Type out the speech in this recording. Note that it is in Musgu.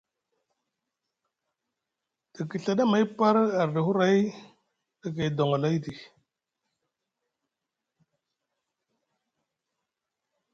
Te kiɵaɗi amay par arɗi huray ɗa gay doŋolayɗi.